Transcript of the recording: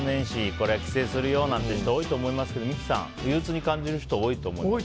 これ、帰省するよっていう人多いと思いますけど三木さん、憂鬱に感じる人多いと思いますか。